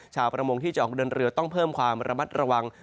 ชาวประมงที่จะออกเดินเรือต้องเพิ่มความระมัดระวัง